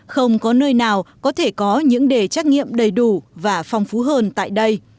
không có nơi nào có thể có những đề trắc nghiệm đầy đủ và phong phú hơn tại đây